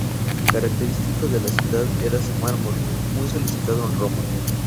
Característico de la ciudad era su mármol, muy solicitado en Roma.